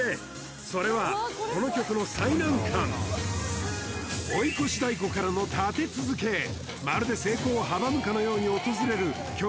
それはこの曲の最難関追い越し太鼓からの立て続けまるで成功を阻むかのように訪れる曲